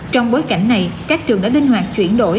trong bối cảnh này các trường đã linh hoạt chuyển đổi